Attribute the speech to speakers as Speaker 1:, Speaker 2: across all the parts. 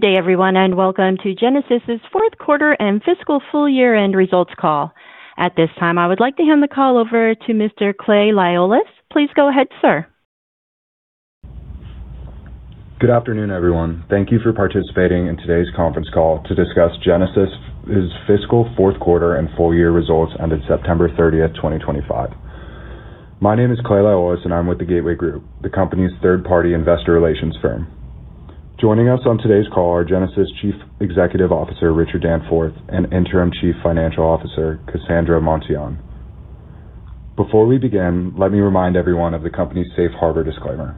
Speaker 1: Good day, everyone, and welcome to Genasys' fourth quarter and fiscal full year and results call. At this time, I would like to hand the call over to Mr. Clay Laiolis. Please go ahead, sir.
Speaker 2: Good afternoon, everyone. Thank you for participating in today's conference call to discuss Genasys Fiscal Fourth Quarter and Full Year Results ended September 30th, 2025. My name is Clay Laiolis, and I'm with the Gateway Group, the company's third-party investor relations firm. Joining us on today's call are Genasys Chief Executive Officer Richard Danforth and Interim Chief Financial Officer Cassandra Monteon. Before we begin, let me remind everyone of the company's safe harbor disclaimer.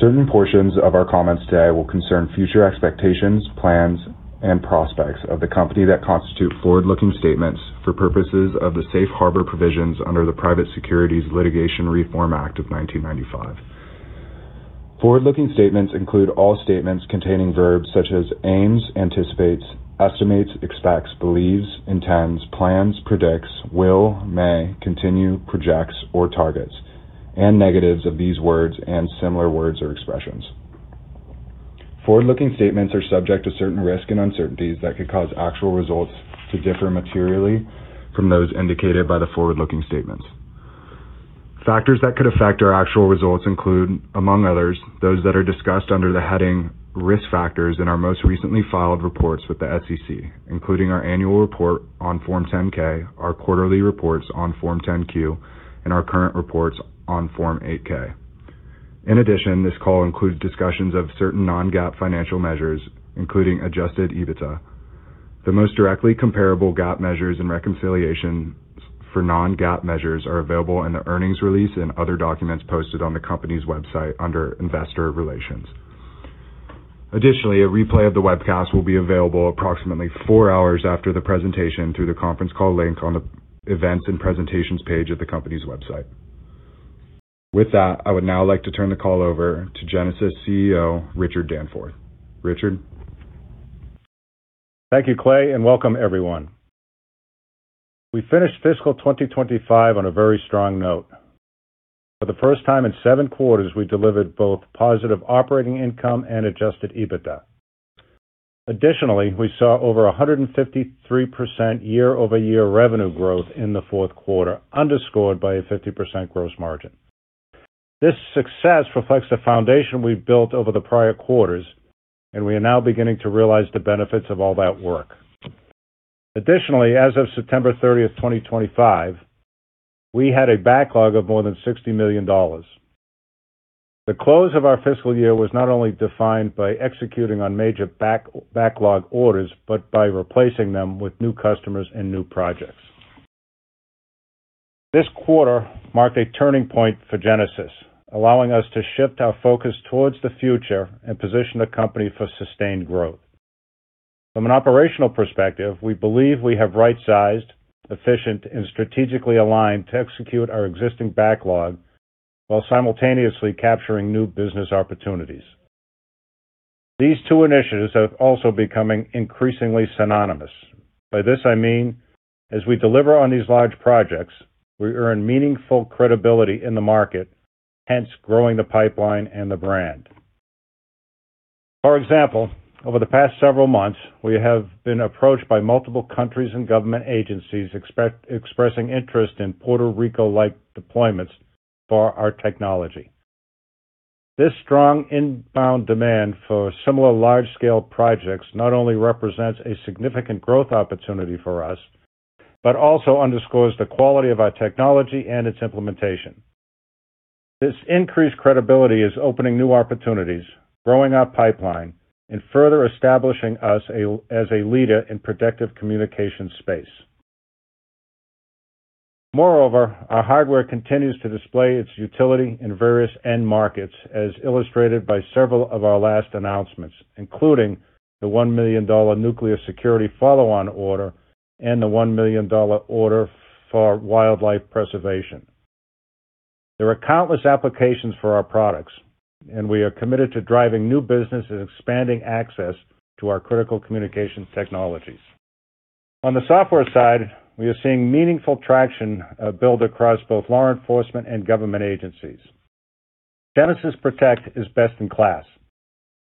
Speaker 2: Certain portions of our comments today will concern future expectations, plans, and prospects of the company that constitute forward-looking statements for purposes of the safe harbor provisions under the Private Securities Litigation Reform Act of 1995. Forward-looking statements include all statements containing verbs such as aims, anticipates, estimates, expects, believes, intends, plans, predicts, will, may, continue, projects, or targets, and negatives of these words and similar words or expressions. Forward-looking statements are subject to certain risks and uncertainties that could cause actual results to differ materially from those indicated by the forward-looking statements. Factors that could affect our actual results include, among others, those that are discussed under the heading Risk Factors in our most recently filed reports with the SEC, including our annual report on Form 10-K, our quarterly reports on Form 10-Q, and our current reports on Form 8-K. In addition, this call includes discussions of certain non-GAAP financial measures, including adjusted EBITDA. The most directly comparable GAAP measures and reconciliation for non-GAAP measures are available in the earnings release and other documents posted on the company's website under investor relations. Additionally, a replay of the webcast will be available approximately four hours after the presentation through the conference call link on the events and presentations page of the company's website. With that, I would now like to turn the call over to Genasys CEO Richard Danforth. Richard.
Speaker 3: Thank you, Clay, and welcome, everyone. We finished Fiscal 2025 on a very strong note. For the first time in seven quarters, we delivered both positive operating income and adjusted EBITDA. Additionally, we saw over 153% year-over-year revenue growth in the fourth quarter, underscored by a 50% gross margin. This success reflects the foundation we've built over the prior quarters, and we are now beginning to realize the benefits of all that work. Additionally, as of September 30th, 2025, we had a backlog of more than $60 million. The close of our fiscal year was not only defined by executing on major backlog orders but by replacing them with new customers and new projects. This quarter marked a turning point for Genasys, allowing us to shift our focus towards the future and position the company for sustained growth. From an operational perspective, we believe we have right-sized, efficient, and strategically aligned to execute our existing backlog while simultaneously capturing new business opportunities. These two initiatives are also becoming increasingly synonymous. By this, I mean, as we deliver on these large projects, we earn meaningful credibility in the market, hence growing the pipeline and the brand. For example, over the past several months, we have been approached by multiple countries and government agencies expressing interest in Puerto Rico-like deployments for our technology. This strong inbound demand for similar large-scale projects not only represents a significant growth opportunity for us but also underscores the quality of our technology and its implementation. This increased credibility is opening new opportunities, growing our pipeline, and further establishing us as a leader in predictive communication space. Moreover, our hardware continues to display its utility in various end markets, as illustrated by several of our last announcements, including the $1 million nuclear security follow-on order and the $1 million order for wildlife preservation. There are countless applications for our products, and we are committed to driving new business and expanding access to our critical communication technologies. On the software side, we are seeing meaningful traction build across both law enforcement and government agencies. Genasys Protect is best in class,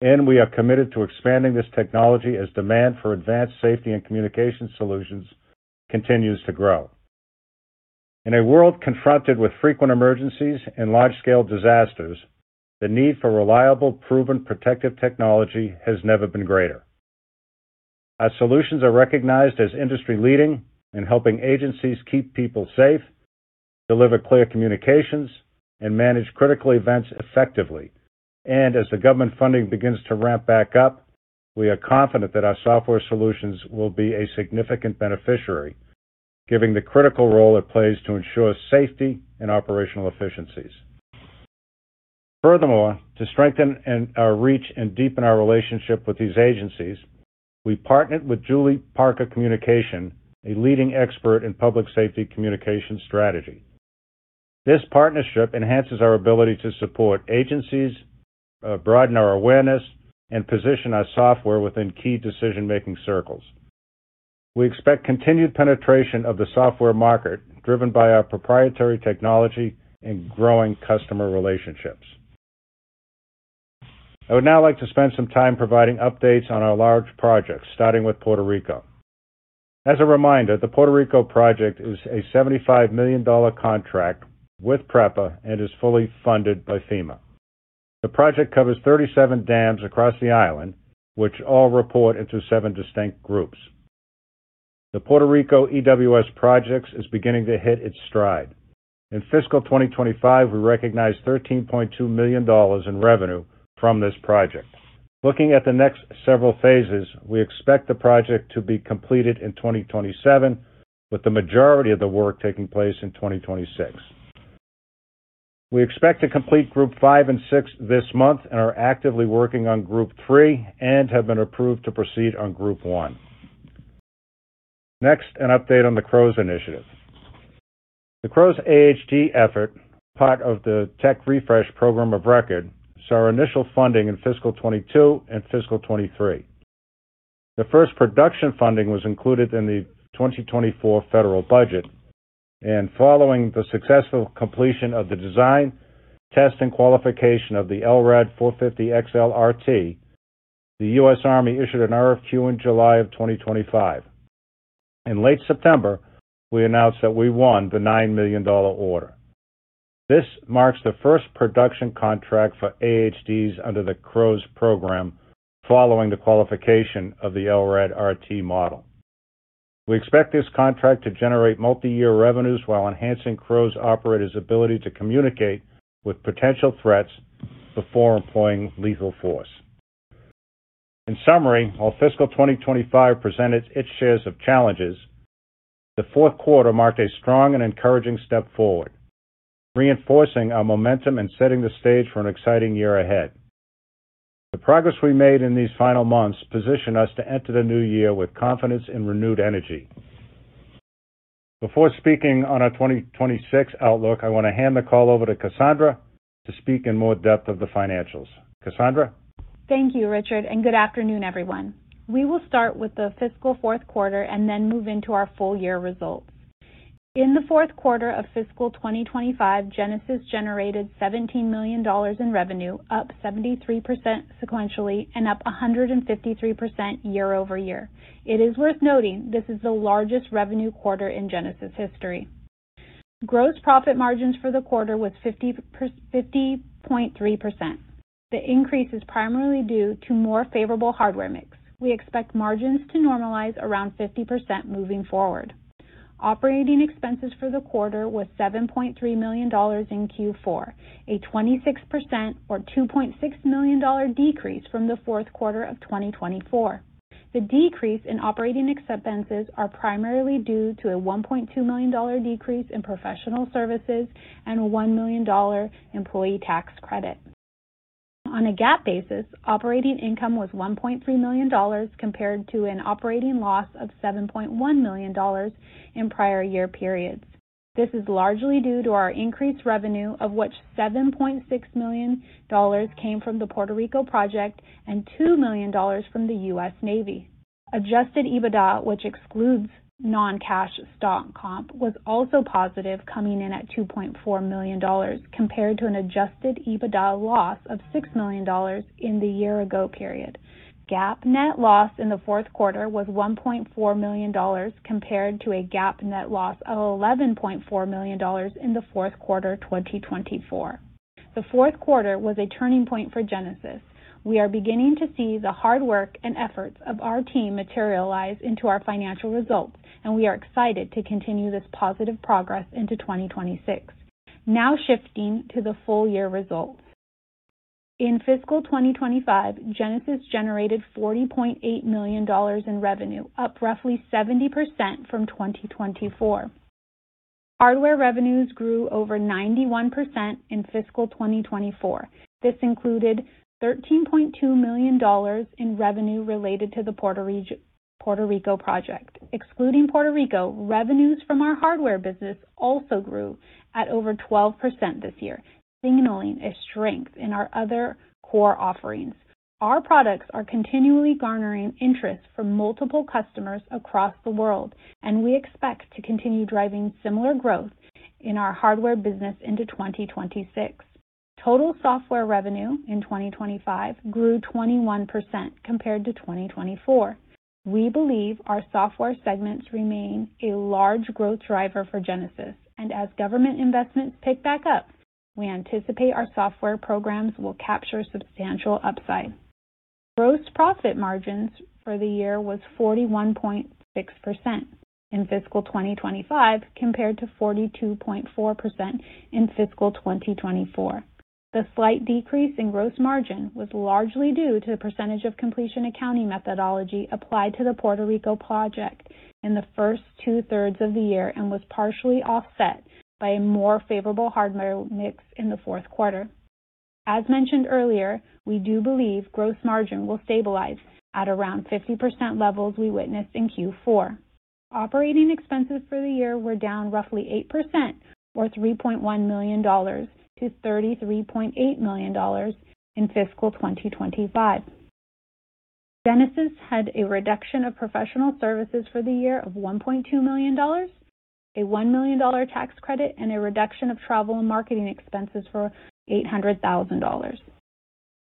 Speaker 3: and we are committed to expanding this technology as demand for advanced safety and communication solutions continues to grow. In a world confronted with frequent emergencies and large-scale disasters, the need for reliable, proven protective technology has never been greater. Our solutions are recognized as industry-leading in helping agencies keep people safe, deliver clear communications, and manage critical events effectively. And as the government funding begins to ramp back up, we are confident that our software solutions will be a significant beneficiary, giving the critical role it plays to ensure safety and operational efficiencies. Furthermore, to strengthen our reach and deepen our relationship with these agencies, we partnered with Julie Parker Communications, a leading expert in public safety communication strategy. This partnership enhances our ability to support agencies, broaden our awareness, and position our software within key decision-making circles. We expect continued penetration of the software market, driven by our proprietary technology and growing customer relationships. I would now like to spend some time providing updates on our large projects, starting with Puerto Rico. As a reminder, the Puerto Rico project is a $75 million contract with PREPA and is fully funded by FEMA. The project covers 37 dams across the island, which all report into seven distinct groups. The Puerto Rico EWS project is beginning to hit its stride. In Fiscal 2025, we recognized $13.2 million in revenue from this project. Looking at the next several phases, we expect the project to be completed in 2027, with the majority of the work taking place in 2026. We expect to complete Group 5 and 6 this month and are actively working on Group 3 and have been approved to proceed on Group 1. Next, an update on the CROWS initiative. The CROWS AHD effort, part of the Tech Refresh Program of Record, saw initial funding in fiscal 2022 and fiscal 2023. The first production funding was included in the 2024 federal budget, and following the successful completion of the design, test, and qualification of the LRAD 450XL-RT, the U.S. Army issued an RFQ in July of 2025. In late September, we announced that we won the $9 million order. This marks the first production contract for AHDs under the CROWS program, following the qualification of the LRAD RT model. We expect this contract to generate multi-year revenues while enhancing CROWS operators' ability to communicate with potential threats before employing lethal force. In summary, while Fiscal 2025 presented its shares of challenges, the fourth quarter marked a strong and encouraging step forward, reinforcing our momentum and setting the stage for an exciting year ahead. The progress we made in these final months positioned us to enter the new year with confidence and renewed energy. Before speaking on our 2026 outlook, I want to hand the call over to Cassandra to speak in more depth of the financials. Cassandra.
Speaker 4: Thank you, Richard. And good afternoon, everyone. We will start with the fiscal fourth quarter and then move into our full year results. In the fourth quarter of Fiscal 2025, Genasys generated $17 million in revenue, up 73% sequentially and up 153% year-over-year. It is worth noting this is the largest revenue quarter in Genasys history. Gross profit margins for the quarter was 50.3%. The increase is primarily due to more favorable hardware mix. We expect margins to normalize around 50% moving forward. Operating expenses for the quarter was $7.3 million in Q4, a 26% or $2.6 million decrease from the fourth quarter of 2024. The decrease in operating expenses is primarily due to a $1.2 million decrease in professional services and a $1 million employee tax credit. On a GAAP basis, operating income was $1.3 million compared to an operating loss of $7.1 million in prior year periods. This is largely due to our increased revenue, of which $7.6 million came from the Puerto Rico project and $2 million from the US Navy. Adjusted EBITDA, which excludes non-cash stock comp, was also positive, coming in at $2.4 million compared to an adjusted EBITDA loss of $6 million in the year-ago period. GAAP net loss in the fourth quarter was $1.4 million compared to a GAAP net loss of $11.4 million in the fourth quarter 2024. The fourth quarter was a turning point for Genasys. We are beginning to see the hard work and efforts of our team materialize into our financial results, and we are excited to continue this positive progress into 2026. Now shifting to the full year results. In Fiscal 2025, Genasys generated $40.8 million in revenue, up roughly 70% from 2024. Hardware revenues grew over 91% in fiscal 2024. This included $13.2 million in revenue related to the Puerto Rico project. Excluding Puerto Rico, revenues from our hardware business also grew at over 12% this year, signaling a strength in our other core offerings. Our products are continually garnering interest from multiple customers across the world, and we expect to continue driving similar growth in our hardware business into 2026. Total software revenue in 2025 grew 21% compared to 2024. We believe our software segments remain a large growth driver for Genasys, and as government investments pick back up, we anticipate our software programs will capture substantial upside. Gross profit margins for the year were 41.6% in Fiscal 2025 compared to 42.4% in fiscal 2024. The slight decrease in gross margin was largely due to the percentage of completion accounting methodology applied to the Puerto Rico project in the first two-thirds of the year and was partially offset by a more favorable hardware mix in the fourth quarter. As mentioned earlier, we do believe gross margin will stabilize at around 50% levels we witnessed in Q4. Operating expenses for the year were down roughly 8%, or $3.1 million-$33.8 million in Fiscal 2025. Genasys had a reduction of professional services for the year of $1.2 million, a $1 million tax credit, and a reduction of travel and marketing expenses for $800,000.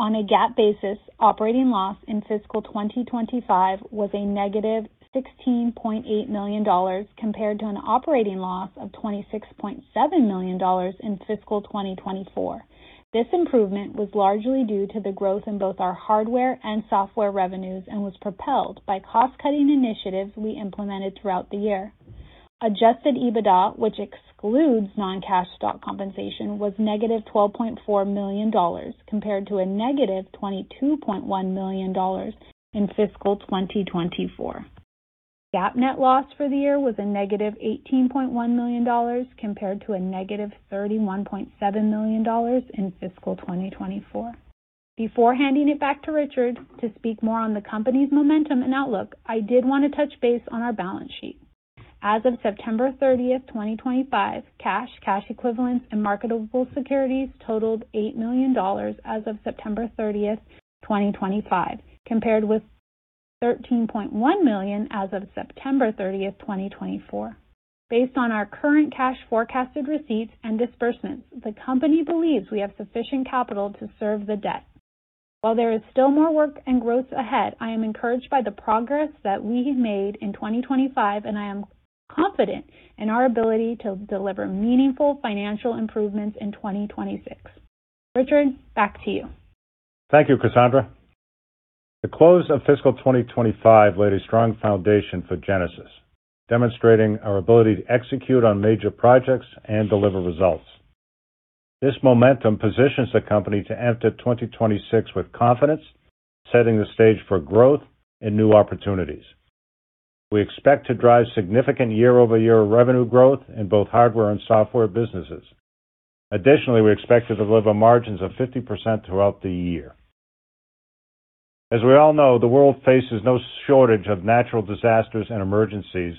Speaker 4: On a GAAP basis, operating loss in Fiscal 2025 was a -$16.8 million compared to an operating loss of $26.7 million in fiscal 2024. This improvement was largely due to the growth in both our hardware and software revenues and was propelled by cost-cutting initiatives we implemented throughout the year. Adjusted EBITDA, which excludes non-cash stock compensation, was -$12.4 million compared to a -$22.1 million in fiscal 2024. GAAP net loss for the year was a -$18.1 million compared to a -$31.7 million in fiscal 2024. Before handing it back to Richard to speak more on the company's momentum and outlook, I did want to touch base on our balance sheet. As of September 30th, 2025, cash, cash equivalents, and marketable securities totaled $8 million as of September 30th, 2025, compared with $13.1 million as of September 30th, 2024. Based on our current cash forecasted receipts and disbursements, the company believes we have sufficient capital to serve the debt. While there is still more work and growth ahead, I am encouraged by the progress that we have made in 2025, and I am confident in our ability to deliver meaningful financial improvements in 2026. Richard, back to you.
Speaker 3: Thank you, Cassandra. The close of Fiscal 2025 laid a strong foundation for Genasys, demonstrating our ability to execute on major projects and deliver results. This momentum positions the company to enter 2026 with confidence, setting the stage for growth and new opportunities. We expect to drive significant year-over-year revenue growth in both hardware and software businesses. Additionally, we expect to deliver margins of 50% throughout the year. As we all know, the world faces no shortage of natural disasters and emergencies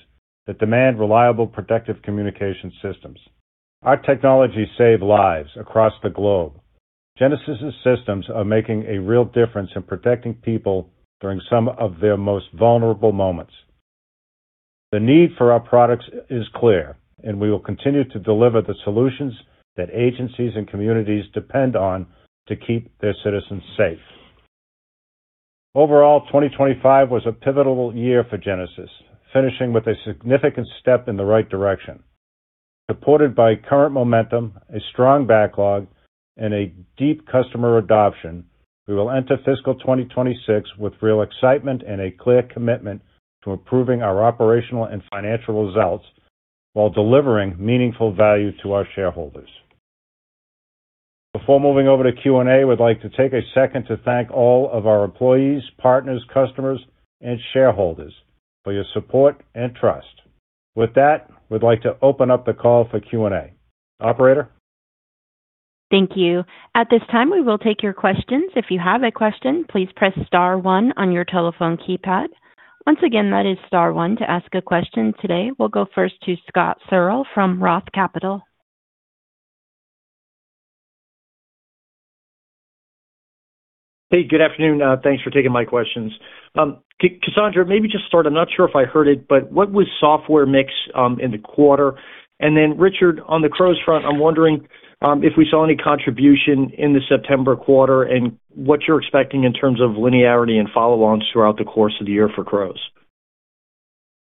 Speaker 3: that demand reliable protective communication systems. Our technology saves lives across the globe. Genasys systems are making a real difference in protecting people during some of their most vulnerable moments. The need for our products is clear, and we will continue to deliver the solutions that agencies and communities depend on to keep their citizens safe. Overall, 2025 was a pivotal year for Genasys, finishing with a significant step in the right direction. Supported by current momentum, a strong backlog, and a deep customer adoption, we will enter fiscal 2026 with real excitement and a clear commitment to improving our operational and financial results while delivering meaningful value to our shareholders. Before moving over to Q&A, we'd like to take a second to thank all of our employees, partners, customers, and shareholders for your support and trust. With that, we'd like to open up the call for Q&A. Operator.
Speaker 1: Thank you. At this time, we will take your questions. If you have a question, please press star one on your telephone keypad. Once again, that is star one to ask a question today. We'll go first to Scott Searle from Roth Capital.
Speaker 5: Hey, good afternoon. Thanks for taking my questions. Cassandra, maybe just to start, I'm not sure if I heard it, but what was software mix in the quarter? And then, Richard, on the CROWS front, I'm wondering if we saw any contribution in the September quarter and what you're expecting in terms of linearity and follow-ons throughout the course of the year for CROWS.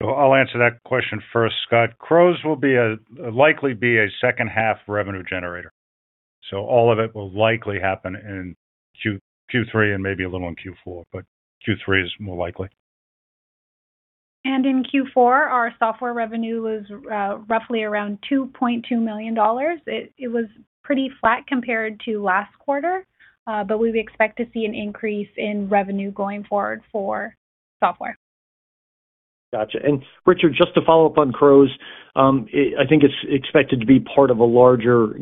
Speaker 3: I'll answer that question first, Scott. CROWS will likely be a second-half revenue generator. So all of it will likely happen in Q3 and maybe a little in Q4, but Q3 is more likely.
Speaker 4: In Q4, our software revenue was roughly around $2.2 million. It was pretty flat compared to last quarter, but we expect to see an increase in revenue going forward for software.
Speaker 5: Gotcha. And Richard, just to follow up on CROWS, I think it's expected to be part of a larger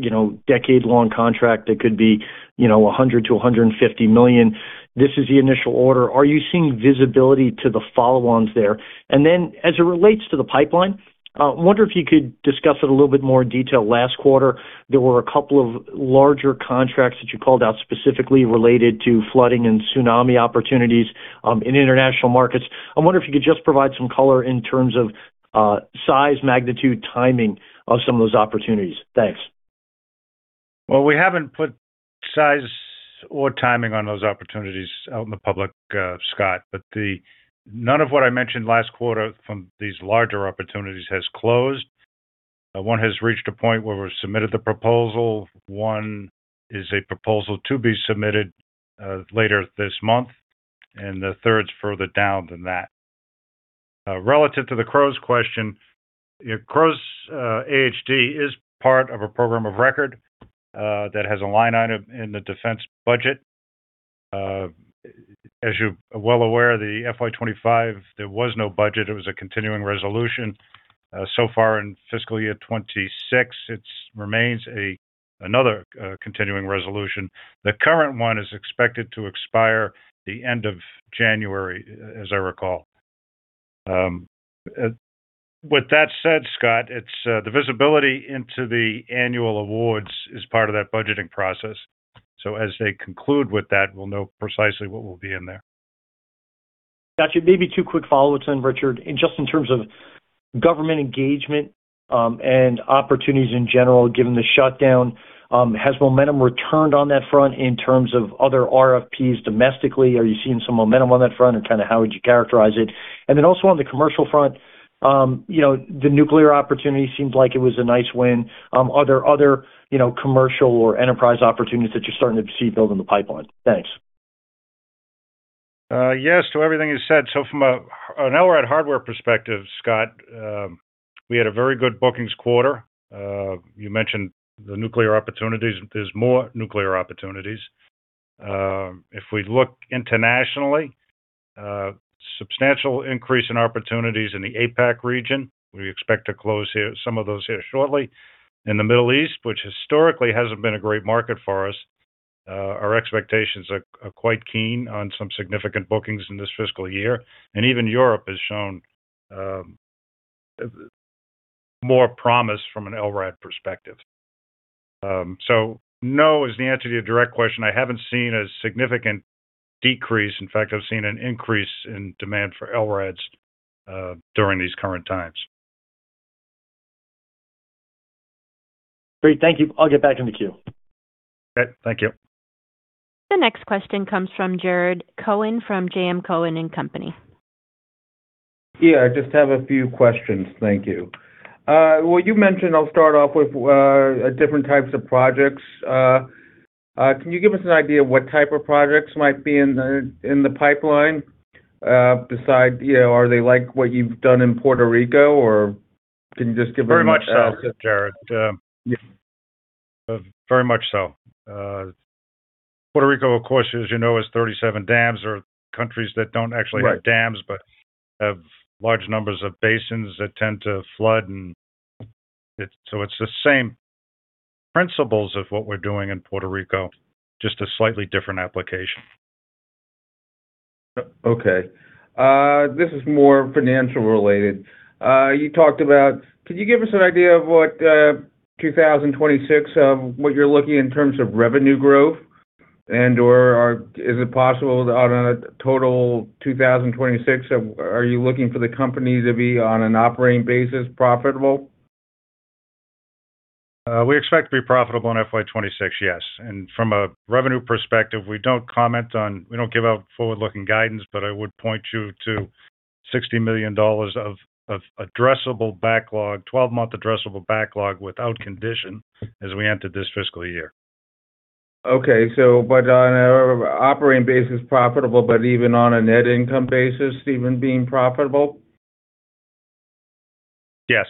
Speaker 5: decade-long contract that could be $100 million-$150 million. This is the initial order. Are you seeing visibility to the follow-ons there? And then, as it relates to the pipeline, I wonder if you could discuss it a little bit more in detail. Last quarter, there were a couple of larger contracts that you called out specifically related to flooding and tsunami opportunities in international markets. I wonder if you could just provide some color in terms of size, magnitude, timing of some of those opportunities. Thanks.
Speaker 3: We haven't put size or timing on those opportunities out in the public, Scott, but none of what I mentioned last quarter from these larger opportunities has closed. One has reached a point where we've submitted the proposal. One is a proposal to be submitted later this month, and the third is further down than that. Relative to the CROWS question, CROWS AHD is part of a program of record that has a line item in the defense budget. As you're well aware, the FY25, there was no budget. It was a continuing resolution. So far in fiscal year 26, it remains another continuing resolution. The current one is expected to expire the end of January, as I recall. With that said, Scott, the visibility into the annual awards is part of that budgeting process. So as they conclude with that, we'll know precisely what will be in there.
Speaker 5: Gotcha. Maybe two quick follow-ups then, Richard. And just in terms of government engagement and opportunities in general, given the shutdown, has momentum returned on that front in terms of other RFPs domestically? Are you seeing some momentum on that front, and kind of how would you characterize it? And then also on the commercial front, the nuclear opportunity seemed like it was a nice win. Are there other commercial or enterprise opportunities that you're starting to see building the pipeline? Thanks.
Speaker 3: Yes, to everything you said. So from an LRAD hardware perspective, Scott, we had a very good bookings quarter. You mentioned the nuclear opportunities. There's more nuclear opportunities. If we look internationally, substantial increase in opportunities in the APAC region. We expect to close some of those here shortly. In the Middle East, which historically hasn't been a great market for us, our expectations are quite keen on some significant bookings in this fiscal year. And even Europe has shown more promise from an LRAD perspective. So no, as the answer to your direct question, I haven't seen a significant decrease. In fact, I've seen an increase in demand for LRADs during these current times.
Speaker 5: Great. Thank you. I'll get back in the queue.
Speaker 3: Okay. Thank you.
Speaker 1: The next question comes from Jarrod Cohen from JM Cohen & Company.
Speaker 6: Yeah, I just have a few questions. Thank you. Well, you mentioned I'll start off with different types of projects. Can you give us an idea of what type of projects might be in the pipeline? Besides, are they like what you've done in Puerto Rico, or can you just give us?
Speaker 3: Very much so, Jared. Very much so. Puerto Rico, of course, as you know, has 37 dams. There are countries that don't actually have dams, but have large numbers of basins that tend to flood. And so it's the same principles of what we're doing in Puerto Rico, just a slightly different application.
Speaker 6: Okay. This is more financial related. You talked about, could you give us an idea of what 2026, what you're looking in terms of revenue growth, and/or is it possible on a total 2026, are you looking for the company to be on an operating basis profitable?
Speaker 3: We expect to be profitable in FY2026, yes. From a revenue perspective, we don't give out forward-looking guidance, but I would point you to $60 million of addressable backlog, 12-month addressable backlog without condition as we enter this fiscal year.
Speaker 6: Okay. So but on an operating basis profitable, but even on a net income basis, even being profitable?
Speaker 3: Yes.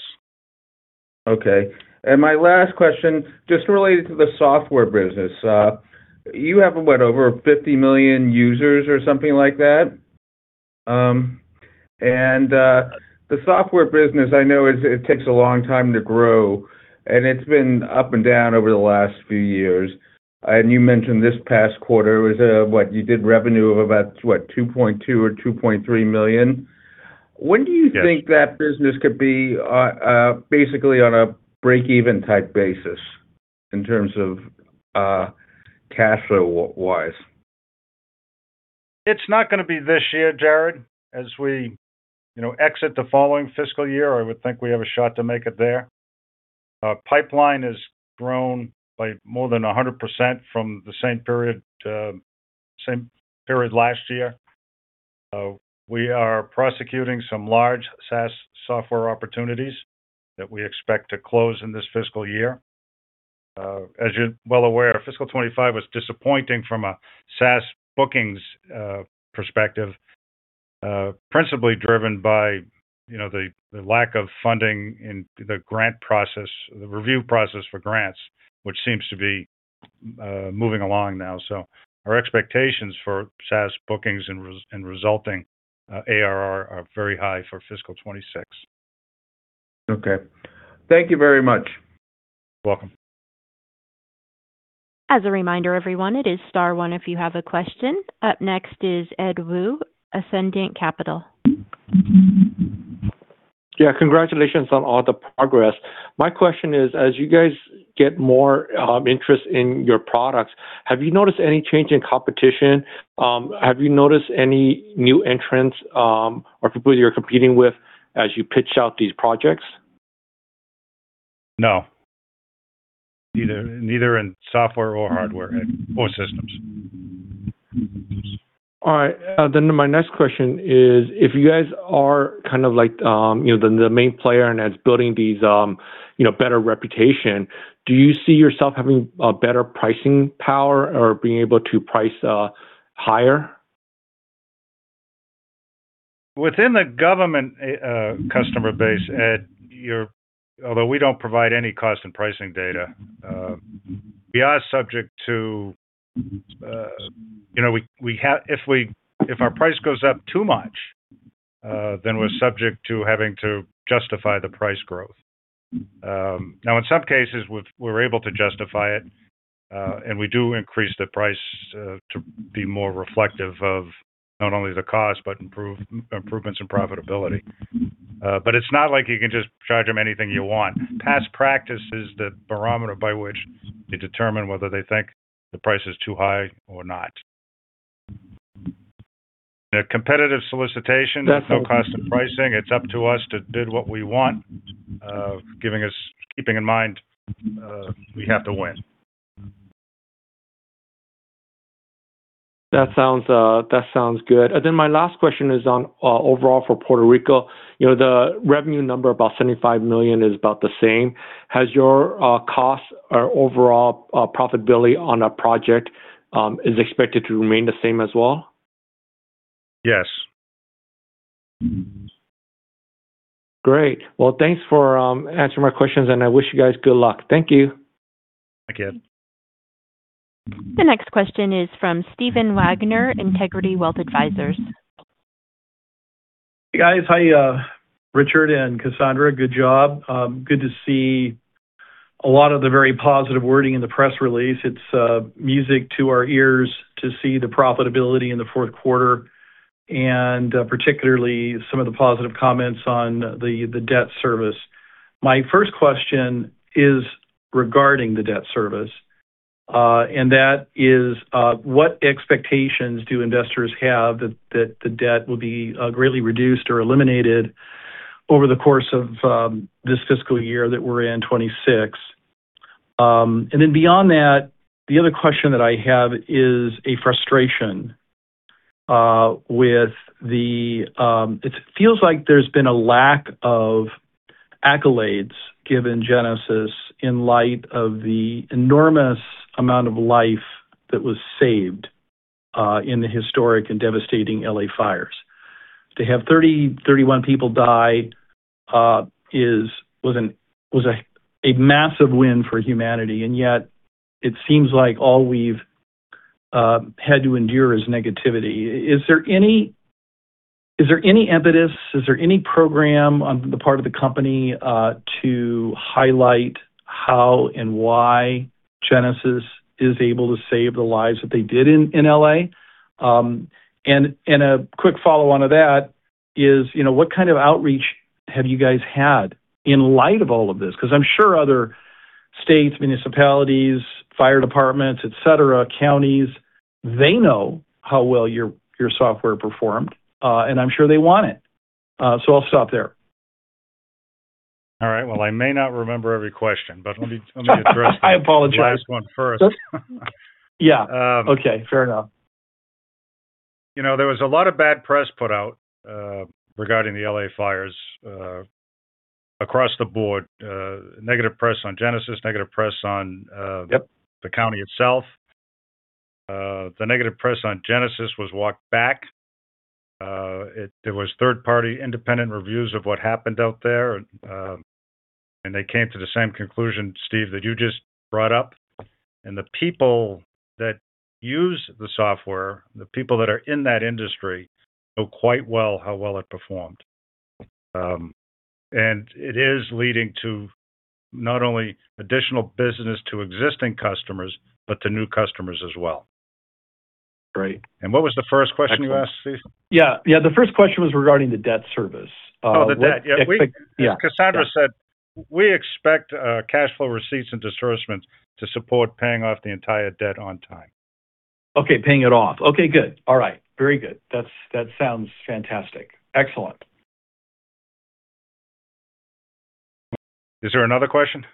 Speaker 6: Okay. And my last question, just related to the software business. You have what, over 50 million users or something like that? And the software business, I know it takes a long time to grow, and it's been up and down over the last few years. And you mentioned this past quarter was what, you did revenue of about, what, $2.2 or $2.3 million. When do you think that business could be basically on a break-even type basis in terms of cash flow-wise?
Speaker 3: It's not going to be this year, Jared. As we exit the following fiscal year, I would think we have a shot to make it there. Our pipeline has grown by more than 100% from the same period last year. We are prosecuting some large SaaS software opportunities that we expect to close in this fiscal year. As you're well aware, Fiscal 2025 was disappointing from a SaaS bookings perspective, principally driven by the lack of funding in the grant process, the review process for grants, which seems to be moving along now. So our expectations for SaaS bookings and resulting ARR are very high for fiscal 2026.
Speaker 6: Okay. Thank you very much.
Speaker 3: You're welcome.
Speaker 1: As a reminder, everyone, it is star one if you have a question. Up next is Ed Woo, Ascendiant Capital.
Speaker 7: Yeah. Congratulations on all the progress. My question is, as you guys get more interest in your products, have you noticed any change in competition? Have you noticed any new entrants or people you're competing with as you pitch out these projects?
Speaker 3: No. Neither in software or hardware or systems.
Speaker 7: All right. Then my next question is, if you guys are kind of like the main player and it's building these better reputation, do you see yourself having better pricing power or being able to price higher?
Speaker 3: Within the government customer base, although we don't provide any cost and pricing data, we are subject to, if our price goes up too much, then we're subject to having to justify the price growth. Now, in some cases, we're able to justify it, and we do increase the price to be more reflective of not only the cost, but improvements in profitability. But it's not like you can just charge them anything you want. Past practice is the barometer by which they determine whether they think the price is too high or not. Competitive solicitation, no cost and pricing. It's up to us to bid what we want, keeping in mind we have to win.
Speaker 7: That sounds good. And then my last question is on overall for Puerto Rico. The revenue number, about $75 million, is about the same. Has your cost or overall profitability on a project is expected to remain the same as well?
Speaker 3: Yes.
Speaker 7: Great. Well, thanks for answering my questions, and I wish you guys good luck. Thank you.
Speaker 3: Thank you.
Speaker 1: The next question is from Stephen Wagner, Integrity Wealth Advisors.
Speaker 8: Hey, guys. Hi, Richard and Cassandra. Good job. Good to see a lot of the very positive wording in the press release. It's music to our ears to see the profitability in the fourth quarter, and particularly some of the positive comments on the debt service. My first question is regarding the debt service, and that is, what expectations do investors have that the debt will be greatly reduced or eliminated over the course of this fiscal year that we're in 2026? And then beyond that, the other question that I have is a frustration with the it feels like there's been a lack of accolades given Genasys in light of the enormous amount of life that was saved in the historic and devastating LA fires. To have 30, 31 people die was a massive win for humanity, and yet it seems like all we've had to endure is negativity. Is there any impetus? Is there any program on the part of the company to highlight how and why Genasys is able to save the lives that they did in LA? And a quick follow-on of that is, what kind of outreach have you guys had in light of all of this? Because I'm sure other states, municipalities, fire departments, etc., counties, they know how well your software performed, and I'm sure they want it. So I'll stop there.
Speaker 3: All right. Well, I may not remember every question, but let me address the last one first.
Speaker 8: I apologize. Yeah. Okay. Fair enough.
Speaker 3: There was a lot of bad press put out regarding the LA fires across the board. Negative press on Genasys, negative press on the county itself. The negative press on Genasys was walked back. There were third-party independent reviews of what happened out there, and they came to the same conclusion, Steve, that you just brought up, and the people that use the software, the people that are in that industry know quite well how well it performed, and it is leading to not only additional business to existing customers, but to new customers as well.
Speaker 8: Great.
Speaker 3: What was the first question you asked, Ed?
Speaker 8: Yeah. Yeah. The first question was regarding the debt service.
Speaker 3: Oh, the debt. Yeah. Cassandra said, "We expect cash flow receipts and disbursements to support paying off the entire debt on time.
Speaker 9: Okay. Paying it off. Okay. Good. All right. Very good. That sounds fantastic. Excellent.
Speaker 3: Is there another question?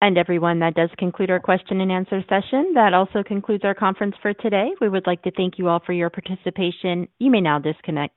Speaker 1: And everyone, that does conclude our question and answer session. That also concludes our conference for today. We would like to thank you all for your participation. You may now disconnect.